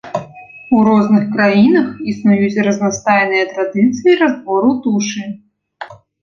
У розных краінах існуюць разнастайныя традыцыі разбору тушы.